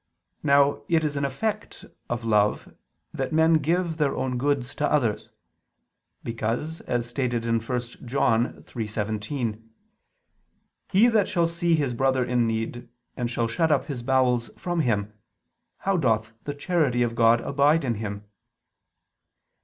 Now it is an effect of love that men give their own goods to others: because, as stated in 1 John 3:17: "He that ... shall see his brother in need, and shall shut up his bowels from him: how doth the charity of God abide in him?"